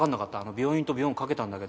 「病院」と「ビョーン」かけたんだけど